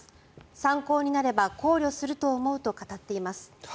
参考になれば考慮すると思うと語っています。